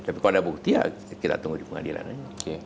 tapi kalau ada bukti ya kita tunggu di pengadilan aja